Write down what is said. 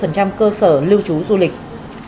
hãy đăng ký kênh để ủng hộ kênh của mình nhé